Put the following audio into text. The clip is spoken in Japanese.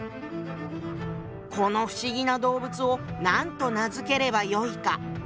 「この不思議な動物を何と名付ければよいか」。